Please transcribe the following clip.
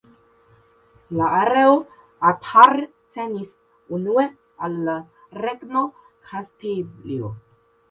La areo apartenis unue al la Regno Kastilio.